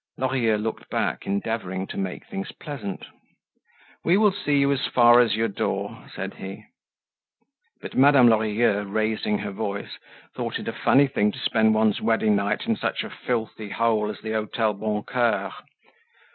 Lorilleux looked back, endeavoring to make things pleasant. "We will see you as far as your door," said he. But Madame Lorilleux, raising her voice, thought it a funny thing to spend one's wedding night in such a filthy hole as the Hotel Boncoeur.